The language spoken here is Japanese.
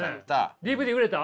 ＤＶＤ売れた？